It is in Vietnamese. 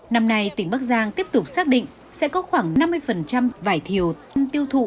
năm nay tỉnh bắc giang tiếp tục xác định sẽ có khoảng năm mươi vải thiều tiêu thụ